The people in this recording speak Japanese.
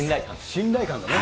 信頼感だね。